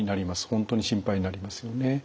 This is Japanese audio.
本当に心配になりますよね。